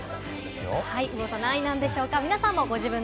うお座、何位なんでしょうか。